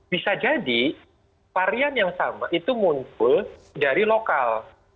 bisa jadi varian yang sama itu muncul dari lokal